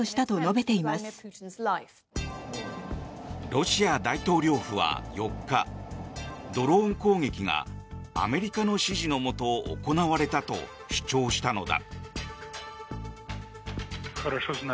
ロシア大統領府は４日ドローン攻撃がアメリカの指示のもと行われたと主張したのだ。